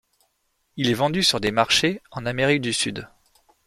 Il est vendu sur des marchés en Amérique du Sud.